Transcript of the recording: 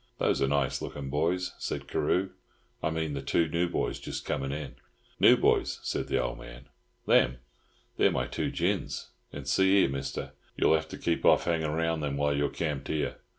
"Those are nice looking boys," said Carew. "I mean the two new boys just coming in." "New boys!" said the old man. "Them! They're my two gins. And see here, Mister, you'll have to keep off hangin' round them while you're camped here.